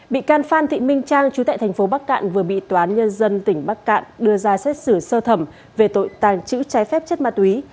bị can phan thị minh trang chú tại thành phố bắc cạn vừa bị tòa án nhân dân tỉnh bắc cạn đưa ra xét xử sơ thẩm về tội tàng trữ trái phép chất ma túy